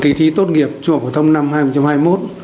kỳ thi tốt nghiệp trung học phổ thông năm hai nghìn hai mươi một